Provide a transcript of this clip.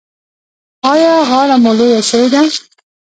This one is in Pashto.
ایا غاړه مو لویه شوې ده؟